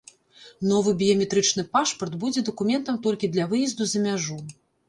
Новы біяметрычны пашпарт будзе дакументам толькі для выезду за мяжу.